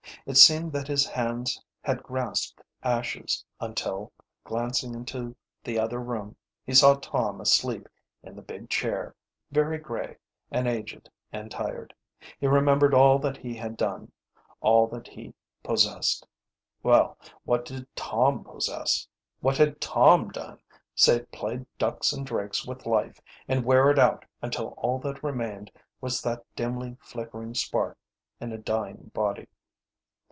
It seemed that his hands had grasped ashes, until, glancing into the other room, he saw Tom asleep in the big chair, very grey and aged and tired. He remembered all that he had done, all that he possessed. Well, what did Tom possess? What had Tom done? save play ducks and drakes with life and wear it out until all that remained was that dimly flickering spark in a dying body.